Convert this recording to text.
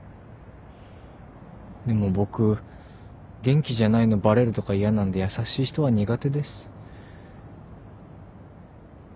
でも僕元気じゃないのバレるとか嫌なんで優しい人は苦手です。